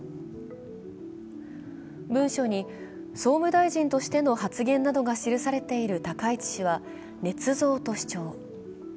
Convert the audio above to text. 文書に総務大臣としての発言などが記されている高市氏はねつ造と主張。